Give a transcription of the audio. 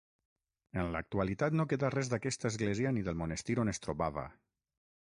En l'actualitat no queda res d'aquesta església ni del monestir on es trobava.